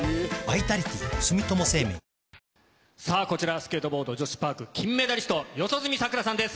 スケートボード女子パーク金メダリスト四十住さくらさんです。